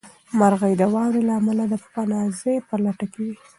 مرغۍ د واورې له امله د پناه ځای په لټه کې وې.